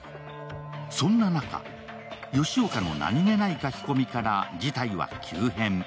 そんな中、ヨシオカの何気ない書き込みから事態は急変。